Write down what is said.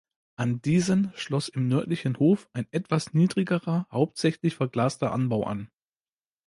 An diesen schloss im nördlichen Hof ein etwas niedrigerer, hauptsächlich verglaster Anbau an.